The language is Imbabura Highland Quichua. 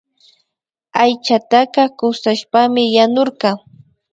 Aychataka kushashpami yanurka